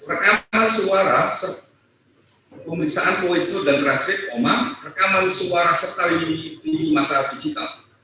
rekaman suara pemiksaan voice note dan translate rekaman suara serta lini lini masalah digital